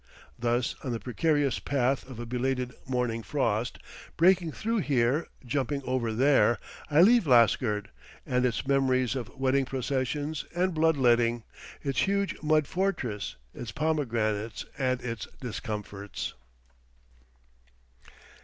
Thus on the precarious path of a belated morning frost, breaking through here, jumping over there, I leave Lasgird and its memories of wedding processions, and blood letting, its huge mud fortress, its pomegranates, and its discomforts.